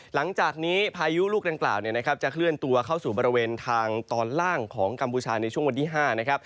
หลังจากนี้พายุลูกดังกล่าวจะเคลื่อนตัวเข้าสู่บริเวณทางตอนล่างของกัมพูชาในช่วงวันที่๕นะครับ